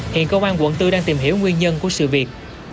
hiện công an quận bốn đang tìm hiểu nguyên nhân của sự việc